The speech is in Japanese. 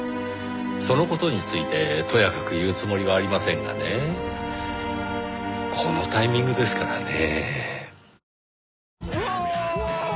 その事についてとやかく言うつもりはありませんがねこのタイミングですからねぇ。